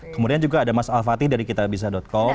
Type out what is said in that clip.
kemudian juga ada mas alfati dari kitabisa com